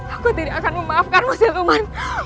aku tidak akan memaafkanmu siluman